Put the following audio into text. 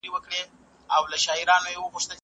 څوک غواړي بشري حقونه په بشپړ ډول کنټرول کړي؟